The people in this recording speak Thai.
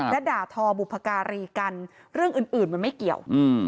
และด่าทอบุพการีกันเรื่องอื่นมันไม่เกี่ยว